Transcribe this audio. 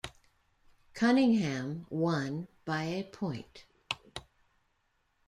Cunningham won by a point.